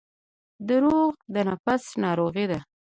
• دروغ د نفس ناروغي ده.